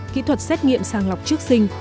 kỹ thuật xét nghiệm sàng lọc trước sinh